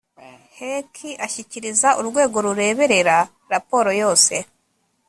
hec ashyikiriza urwego rureberera raporo yose